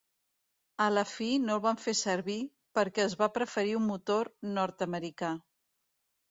A la fi no el van fer servir, perquè es va preferir un motor nord-americà.